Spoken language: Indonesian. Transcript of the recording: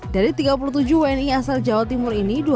dari tiga puluh tujuh wni asal jawa timur ini